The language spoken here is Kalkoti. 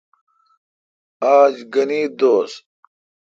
آج گھن عید دوس۔